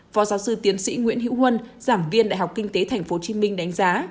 phó giáo sư tiến sĩ nguyễn hiễu huân giảng viên đại học kinh tế tp hcm đánh giá